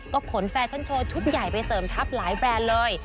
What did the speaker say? ก็ขนแฟชั่นโชว์ชุดใหญ่ไปเสริมทัพหลายแบรนด์เลย